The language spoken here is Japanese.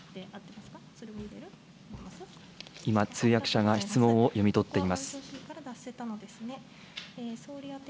今、通訳者が質問を読み取っています。